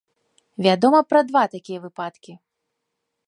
Вядома пра два такія выпадкі.